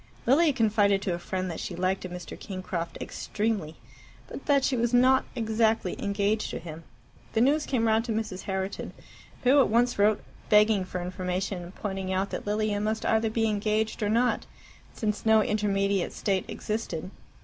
Lilia confided to a friend that she liked a Mr. Kingcroft extremely, but that she was not exactly engaged to him. The news came round to Mrs. Herriton, who at once wrote, begging for information, and pointing out that Lilia must either be engaged or not, since no intermediate state existed.